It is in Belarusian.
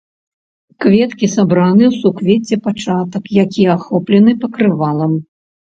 Кветкі сабраны ў суквецце пачатак, які ахоплены пакрывалам.